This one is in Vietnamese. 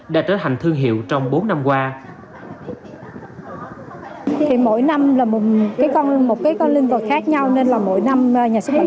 với doanh thu ghi nhận là một năm triệu đồng